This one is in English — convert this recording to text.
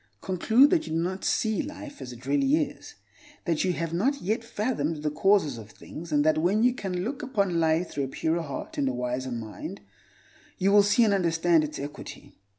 Conclude that you do not see life as it really is; that you have not yet fathomed the causes of things, and that when you can look upon life through a purer heart and a wiser mind, you will see and understand its equity.